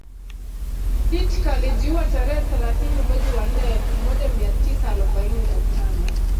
Hitker alijiua tarehe thelathini mwezi wa nne elfu moja mia tisa arobaini na tano